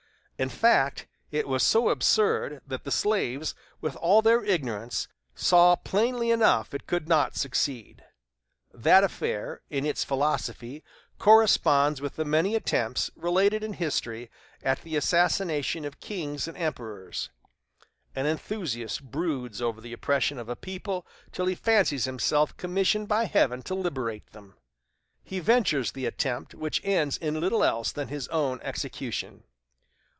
In fact, it was so absurd that the slaves, with all their ignorance, saw plainly enough it could not succeed. That affair, in its philosophy, corresponds with the many attempts, related in history, at the assassination of kings and emperors. An enthusiast broods over the oppression of a people till he fancies himself commissioned by Heaven to liberate them. He ventures the attempt, which ends in little else than his own execution.